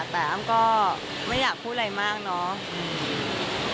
แต่อ้ำก็ไม่อยากพูดอะไรมากเนาะ